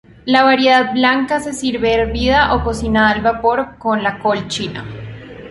La variedad blanca se sirve hervida o cocinada al vapor con la col china.